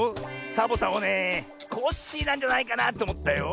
サボさんはねえコッシーなんじゃないかなっておもったよ。